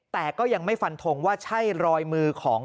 แต่ก็ยังไม่ฟันทงว่าใช่รอยมือของ